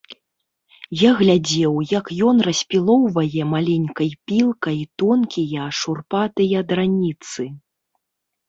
Я глядзеў, як ён распілоўвае маленькай пілкай тонкія шурпатыя драніцы.